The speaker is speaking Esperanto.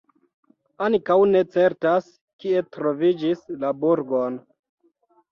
Ankaŭ ne certas, kie troviĝis la burgon.